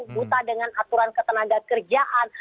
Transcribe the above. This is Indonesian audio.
buta dengan aturan ketenaga kerjaan